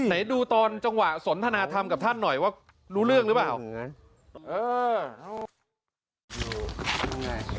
ไหนดูตอนจังหวะสนทนาธรรมกับท่านหน่อยว่ารู้เรื่องหรือเปล่า